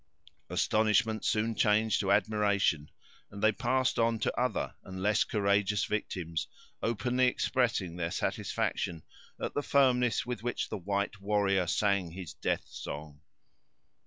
Astonishment soon changed to admiration, and they passed on to other and less courageous victims, openly expressing their satisfaction at the firmness with which the white warrior sang his death song.